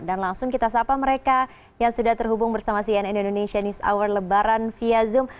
dan langsung kita sapa mereka yang sudah terhubung bersama cnn indonesia news hour lebaran via zoom